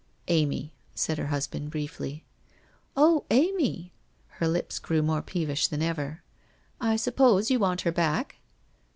' Amy/ said her husband briefly. ' Oh, Amy !' Her lips grew more peevish than ever. ' I suppose you want her back